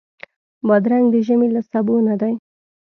بادرنګ د ژمي له سبو نه دی.